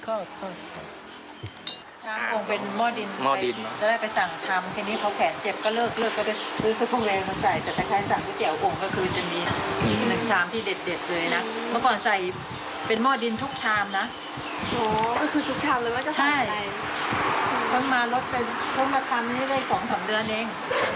ก็ได้ไปสั่งทำใครที่นี่เขาแขนเจ็บก็เลิก